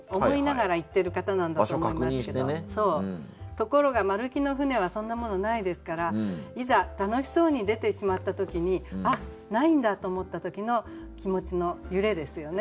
ところが丸木の舟はそんなものないですからいざ楽しそうに出てしまった時に「あっないんだ」と思った時の気持ちの揺れですよね。